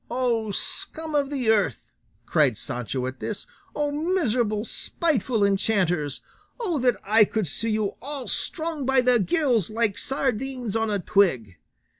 "O scum of the earth!" cried Sancho at this, "O miserable, spiteful enchanters! O that I could see you all strung by the gills, like sardines on a twig!